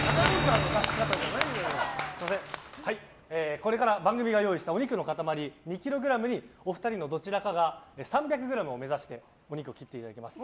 これから番組が用意したお肉の塊２ｋｇにお二人のどちらかが３００ｇを目指してお肉を切っていただきます。